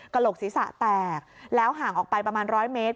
โหลกศีรษะแตกแล้วห่างออกไปประมาณ๑๐๐เมตร